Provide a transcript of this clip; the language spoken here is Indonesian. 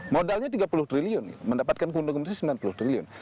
modalnya tiga puluh triliun mendapatkan keuntungan sembilan puluh triliun